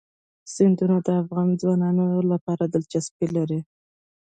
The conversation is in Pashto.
سیندونه د افغان ځوانانو لپاره دلچسپي لري.